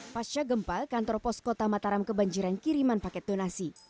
pasca gempa kantor pos kota mataram kebanjiran kiriman paket donasi